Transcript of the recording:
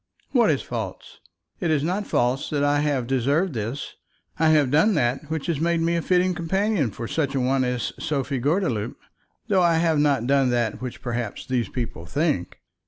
"What is false? It is not false that I have deserved this. I have done that which has made me a fitting companion for such a one as Sophie Gordeloup, though I have not done that which perhaps these people think."